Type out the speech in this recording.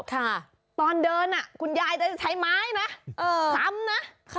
ค่ะตอนเดินคุณยายจะใช้ไม้นะซ้ำนะ